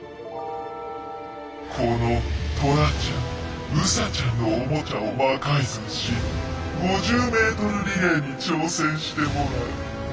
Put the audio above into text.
このトラちゃんウサちゃんのオモチャを魔改造し５０ｍリレーに挑戦してもらう。